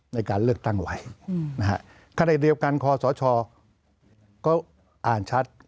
ในการเลือกตั้งไว้ขณะเดียวกันคอสชก็อ่านชัด